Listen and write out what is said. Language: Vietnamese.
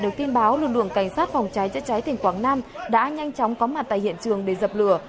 các phòng cháy chất cháy thành quảng nam đã nhanh chóng có mặt tại hiện trường để dập lửa